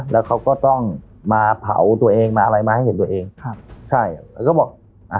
แล้วเขาก็ต้องมาเผาตัวเองมาอะไรมาให้เห็นตัวเองครับใช่แล้วก็บอกอ่า